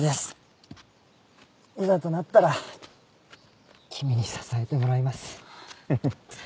いざとなったら君に支えてもらいます。